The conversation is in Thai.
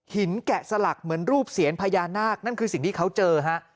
แกะสลักเหมือนรูปเสียนพญานาคนั่นคือสิ่งที่เขาเจอฮะ